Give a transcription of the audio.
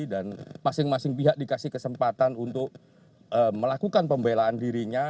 dan masing masing pihak dikasih kesempatan untuk melakukan pembelaan dirinya